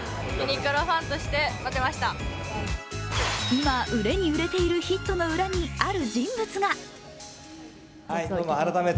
今、売れに売れているヒットの裏にある人物が。